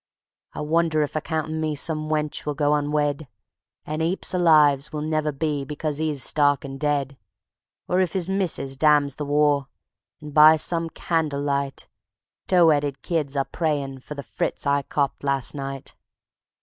I wonder if account o' me Some wench will go unwed, And 'eaps o' lives will never be, Because 'e's stark and dead? Or if 'is missis damns the war, And by some candle light, Tow headed kids are prayin' for The Fritz I copped last night.